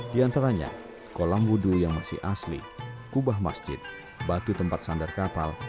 di antaranya kolam wudhu yang masih asli kubah masjid batu tempat sandar kapal